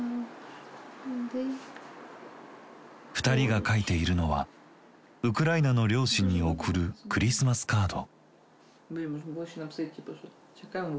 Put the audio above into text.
２人が書いているのはウクライナの両親に送るクリスマスカード。